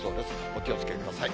お気をつけください。